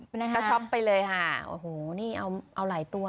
ไปช็อปได้เลยแหละ